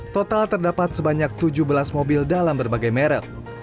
total terdapat sebanyak tujuh belas mobil dalam berbagai merek